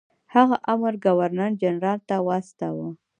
هغه امر ګورنر جنرال ته واستاوه.